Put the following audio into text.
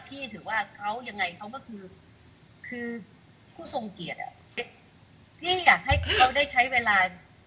พี่อยากให้เขาได้ใช้เวลา